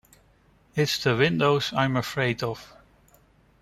It's the windows I'm afraid of.